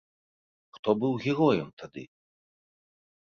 Хто быў героем тады?